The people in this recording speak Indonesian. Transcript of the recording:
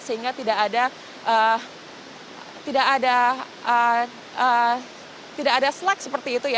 sehingga tidak ada slag seperti itu